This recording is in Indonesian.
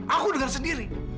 aku dengar sendiri